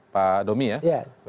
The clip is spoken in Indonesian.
pak domi ya